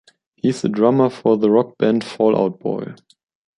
He is the drummer for the rock band Fall Out Boy.